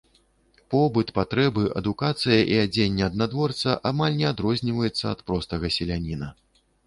Побыт, патрэбы, адукацыя і адзенне аднадворца амаль не адрозніваецца ад простага селяніна.